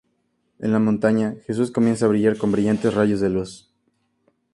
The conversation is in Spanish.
En la montaña, Jesús comienza a brillar con brillantes rayos de luz.